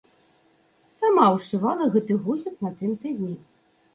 Сама ўшывала гэты гузік на тым тыдні.